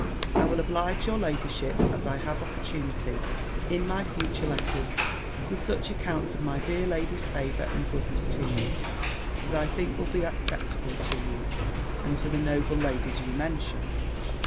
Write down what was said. I will oblige your ladyship, as I have opportunity, in my future letters, with such accounts of my dear lady's favour and goodness to me, as I think will be acceptable to you, and to the noble ladies you mention.